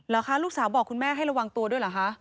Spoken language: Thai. เหรอคะลูกสาวบอกคุณแม่ให้ระวังตัวด้วยเหรอคะ